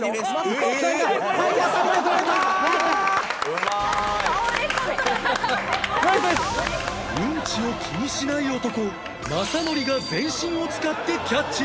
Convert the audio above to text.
うんちを気にしない男雅紀が全身を使ってキャッチ！